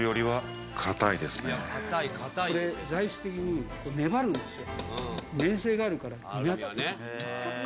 これ材質的に粘るんですよ。